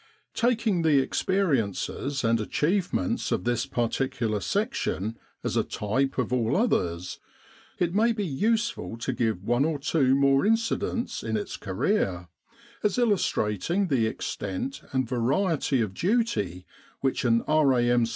Taking the experiences and achievements of this particular section as a type of all others, it may be useful to give one or two more incidents in its career, as illustrating the extent and variety of duty which an R.A.M.